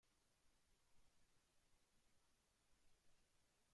Sin embargo, esto es discutido.